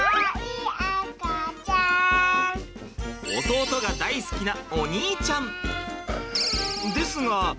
弟が大好きなお兄ちゃん。